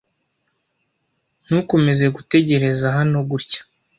Ntukomeze gutegereza hano gutya.